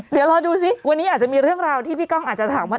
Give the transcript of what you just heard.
เดี๋ยวรอดูสิวันนี้อาจจะมีเรื่องราวที่พี่ก้องอาจจะถามว่า